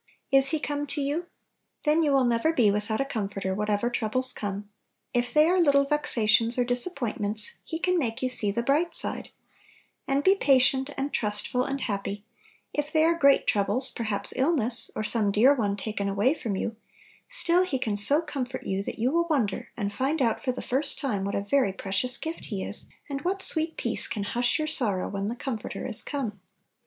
Is He come to you ? Then you will Little Pillows, 43 never be without a Comforter, what ever troubles come; if they are little vexations or disappointments, He can make you see the bright side, and be patient, and trustful, and happy; if they are great troubles, perhaps illness, or some dear one taken away from you, still He can so comfort you, that you will wonder and find out for the first time what a very precious gift He is, and what sweet peace can hush your sorrow "when the Comforter is come."